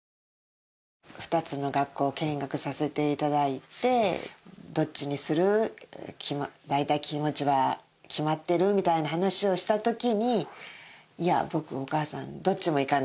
２つの学校を見学させていただいて「どっちにする？大体気持ちは決まってる？」みたいな話をした時に「いや僕お母さんどっちも行かない」。